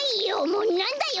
もうなんだよ